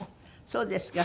そうですか。